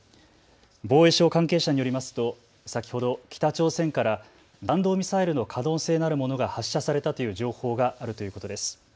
防衛省関係者によりますと先ほど北朝鮮から弾道ミサイルの可能性のあるものが発射されたという情報があるということです。